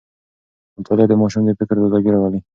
مطالعه د ماشوم د فکر تازه ګي راولي.